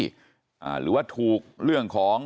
หรือว่าถูกเรื่องของกระแสขัดแย้งทางคู่แข่งทางการเมืองท้องถิ่น